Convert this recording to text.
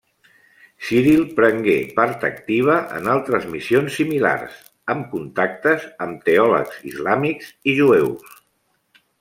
Ciril prengué part activa en altres missions similars, amb contactes amb teòlegs islàmics i jueus.